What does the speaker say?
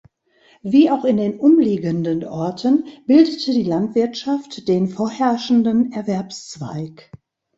Wie auch in den umliegenden Orten bildete die Landwirtschaft den vorherrschenden Erwerbszweig.